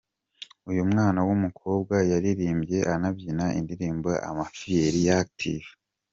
Uyu mwana w'umukobwa yaririmbye anabyina indirimbo "Amafiyeri ya Active".